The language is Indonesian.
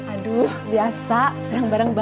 aduh biasa barang barang